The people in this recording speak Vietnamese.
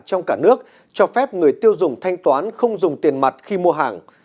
trong cả nước cho phép người tiêu dùng thanh toán không dùng tiền mặt khi mua hàng